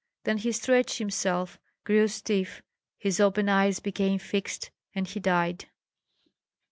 Then he stretched himself, grew stiff, his open eyes became fixed, and he died.